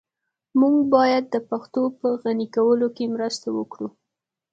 موږ بايد د پښتو په غني کولو کي مرسته وکړو.